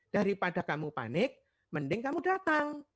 daripada kamu panik mending kamu datang